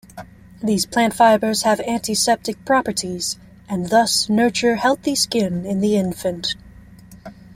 These plant fibres have antiseptic properties, and thus nurture healthy skin in the infant.